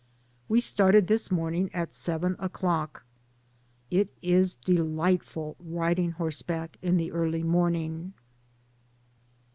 We started this morning at seven o'clock. It is delightful riding horseback in the early morning.